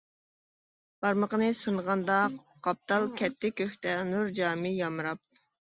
بارمىقىنى سۇنغاندا قاپتال، كەتتى كۆكتە نۇر جامى يامراپ.